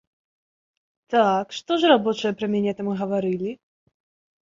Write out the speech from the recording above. Так, што ж рабочыя пра мяне там гаварылі?